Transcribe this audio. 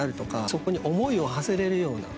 そこに思いをはせれるような。